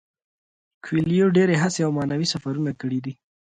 کویلیو ډیرې هڅې او معنوي سفرونه کړي دي.